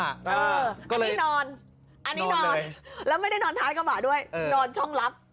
อันนี้นอนอันนี้นอนแล้วไม่ได้นอนท้ายกระบะด้วยนอนช่องลับ